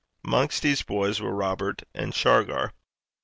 Amongst these boys were Robert and Shargar.